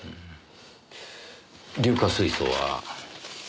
硫化水素は。